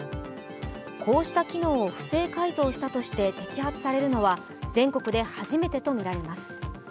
こうした機能を不正改造したとして摘発されるのは全国で初めてとみられます。